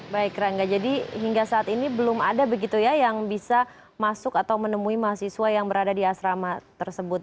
baik rangga jadi hingga saat ini belum ada begitu ya yang bisa masuk atau menemui mahasiswa yang berada di asrama tersebut